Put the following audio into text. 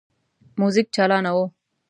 موزیک چالانه وو.